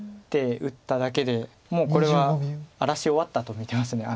１手打っただけでもうこれは荒らし終わったと見てます。